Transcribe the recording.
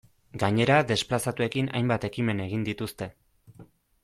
Gainera desplazatuekin hainbat ekimen egin dituzte.